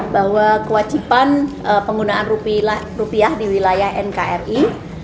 bahwa kewajiban penggunaan rupiah di wilayah nkri